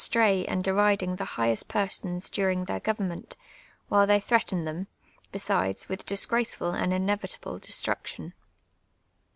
stray and deriding the hi;^diest j)ersonK during their ^vcni ment, while they threaten them, besides, with dLsjp aceful and inevitable destruction.